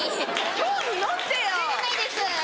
興味持ってよ！全然ないです